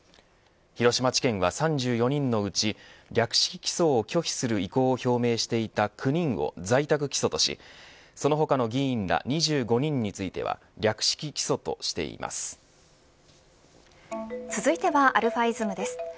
広島地検は３４人のうち略式起訴を拒否する意向を表明していた９人を在宅起訴としその他の議員ら２５人については略式起訴としてい続いてはαｉｓｍです。